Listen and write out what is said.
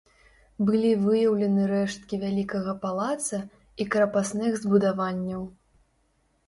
Былі выяўлены рэшткі вялікага палаца і крапасных збудаванняў.